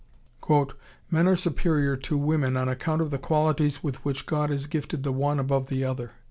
"Men are superior to women on account of the qualities with which God has gifted the one above the other."